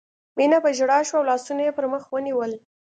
مينه په ژړا شوه او لاسونه یې پر مخ ونیول